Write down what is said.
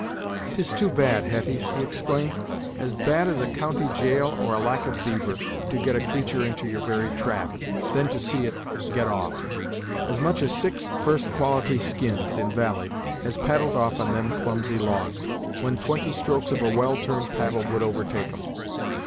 "'Tis too bad, Hetty!" he exclaimed; "as bad as a county gaol or a lack of beaver, to get a creatur' into your very trap, then to see it get off. As much as six first quality skins, in valie, has paddled off on them clumsy logs, when twenty strokes of a well turned paddle would overtake 'em.